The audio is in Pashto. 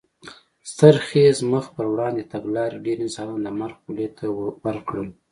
ستر خېز مخ په وړاندې تګلارې ډېر انسانان د مرګ خولې ته ور کړل.